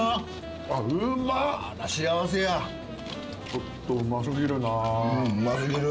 ちょっとうま過ぎるな。